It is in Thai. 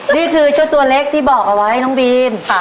นี่คือเจ้าตัวเล็กที่บอกเอาไว้น้องบีม